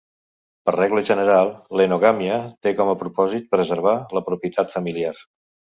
Per regla general, l'henogàmia té com a propòsit preservar la propietat familiar.